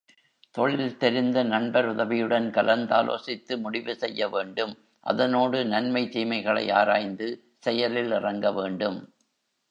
தொழில் தெரிந்த நண்பர் உதவியுடன் கலந்தாலோசித்து முடிவுசெய்ய வேண்டும் அதனோடு நன்மை தீமைகளை ஆராய்ந்து செயலில் இறங்கவேண்டும்.